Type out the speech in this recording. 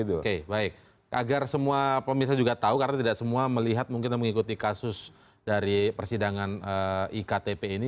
oke baik agar semua pemirsa juga tahu karena tidak semua melihat mungkin mengikuti kasus dari persidangan iktp ini